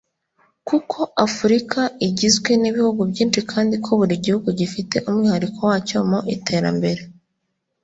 kuko Afurika igizwe n’ibihugu byinshi kandi ko buri gihugu gifite umwihariko wacyo mu iterambere